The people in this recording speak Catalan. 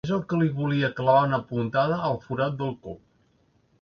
És el que li volia clavar una puntada al forat del cul.